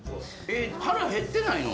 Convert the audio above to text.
腹減ってないの？